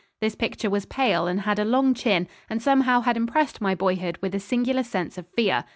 This picture was pale, and had a long chin, and somehow had impressed my boyhood with a singular sense of fear.